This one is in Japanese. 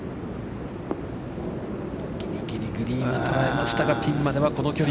ぎりぎりグリーンを捉えましたが、ピンまではこの距離。